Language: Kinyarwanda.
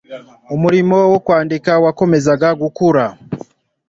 umurimo wo kwandika wakomezaga gukura